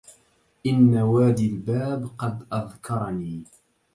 إن وادي الباب قد أذكرني